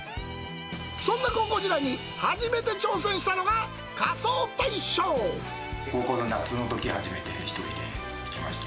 そんな高校時代に、初めて挑戦し高校の夏のとき、初めて１人で行きました。